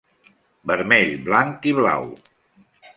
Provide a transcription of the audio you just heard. Vermell, blanc i blau.